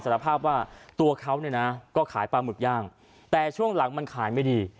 สารภาพว่าตัวเขาเนี่ยนะก็ขายปลาหมึกย่างแต่ช่วงหลังมันขายไม่ดี